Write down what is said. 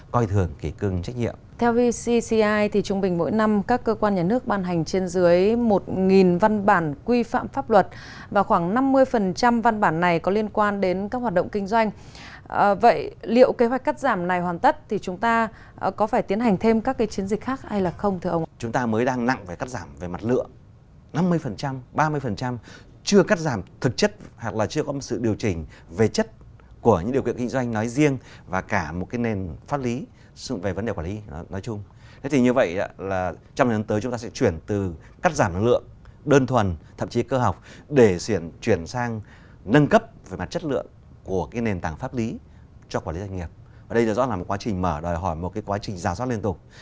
cho quản lý doanh nghiệp và đây rõ ràng là một quá trình mở đòi hỏi một quá trình rà soát liên tục